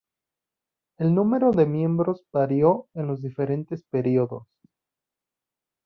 El número de miembros varió en los diferentes períodos.